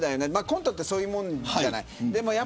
コントってそういうもんじゃない。